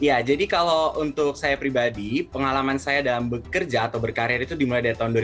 ya jadi kalau untuk saya pribadi pengalaman saya dalam bekerja atau berkarir itu dimulai dari tahun dua ribu